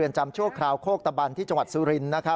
จำชั่วคราวโคกตะบันที่จังหวัดสุรินทร์